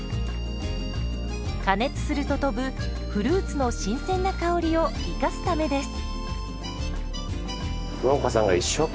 加熱すると飛ぶフルーツの新鮮な香りを生かすためです。